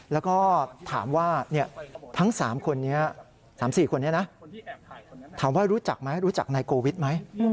แล้วก็ถามว่าทั้ง๓คนนี้๓๔คนนี้นะถามว่ารู้จักไหมรู้จักนายโกวิทไหม